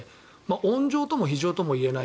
温情とも非情とも言えない